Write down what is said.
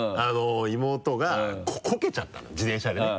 妹がこけちゃったのよ自転車でね。